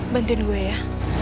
bantuin gue ya